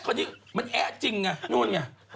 คนนี้มันแอ๊ะจริงไงนู่นไง